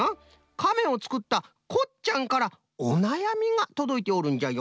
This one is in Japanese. カメをつくったこっちゃんからおなやみがとどいておるんじゃよ。